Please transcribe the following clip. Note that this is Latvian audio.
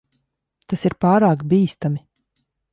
Tas ir pārāk bīstami.